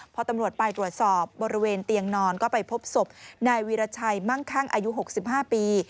พอตำรวจไปตรวจสอบบริเวณเตียงนอนก็ไปพบศพนายวีรชัยมั่งคั่งอายุ๖๕ปี